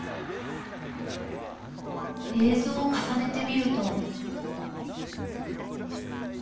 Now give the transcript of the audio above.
映像を重ねてみると。